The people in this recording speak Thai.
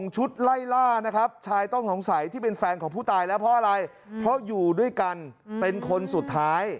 ผู้ใจและเพราะอะไรเพราะอยู่ด้วยกันเป็นคนสุดท้าย